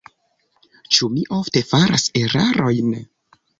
Ĉu mi ofte faras erarojn?